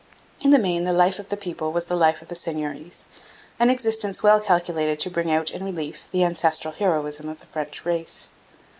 In the main the life of the people was the life of the seigneuries an existence well calculated to bring out in relief the ancestral heroism of the French race.